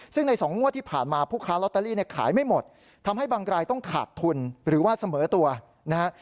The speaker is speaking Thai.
ซึ่งในสองงวดที่ผ่านมาผู้ค้าลอตเตอรี่เนี่ยขายไม่หมดทำให้บางรายต้องขาดทุนหรือว่าเสมอตัวนะฮะ